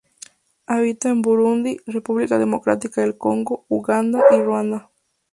Habita en Burundi, República Democrática del Congo, Uganda y Ruanda.